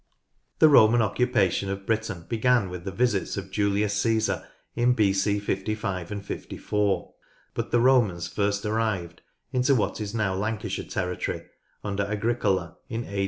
The Roman occupation of Britain began with the visits of Julius Caesar in B.C. 55 and 54, but the Romans first arrived into what is now Lancashire territory under Agricola in a.